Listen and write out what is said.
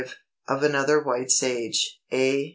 Of another White Sage (A.